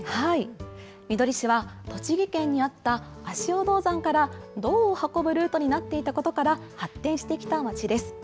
みどり市は、栃木県にあった足尾銅山から銅を運ぶルートになっていたことから発展してきた町です。